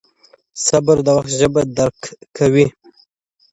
صبر د وخت ژبه درک کوي؛